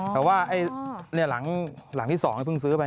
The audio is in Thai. แต่ว่าหลังที่๒เพิ่งซื้อไป